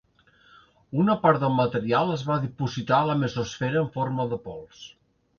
Una part del material es va dipositar a la mesosfera en forma de pols.